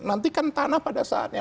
nanti kan tanah pada saatnya